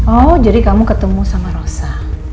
oh jadi kamu ketemu sama rosa